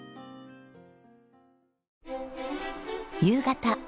夕方。